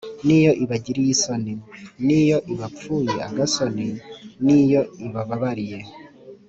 n’iyo ibagiriye isoni: n’iyo ibapfuye agasoni, n’iyo ibababariye